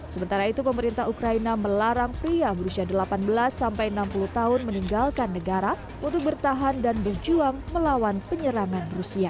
sementara itu pemerintah ukraina melarang pria berusia delapan belas sampai enam puluh tahun meninggalkan negara untuk bertahan dan berjuang melawan penyerangan rusia